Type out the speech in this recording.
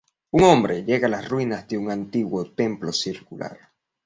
Un hombre llega a las ruinas de un antiguo templo circular.